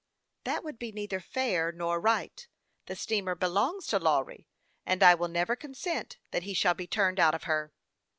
" That would be neither fair nor right. The steamer belongs to Lawry, and I will never consent that he shall be turned out of her."